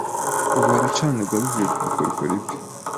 ubu haracanirwa bivuye ku bukorikori bwe.